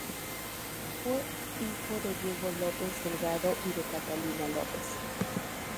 Fue hijo de Diego López Delgado y de Catalina López.